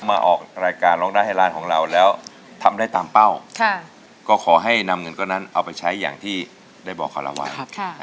มาออกรายการร้องได้ให้ร้านของเราแล้วทำได้ตามเป้าก็ขอให้นำเงินก้อนนั้นเอาไปใช้อย่างที่ได้บอกกับเราไว้